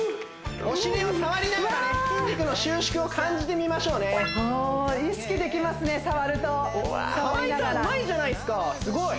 お尻を触りながらね筋肉の収縮を感じてみましょうねああ意識できますね触ると触りながらすごい！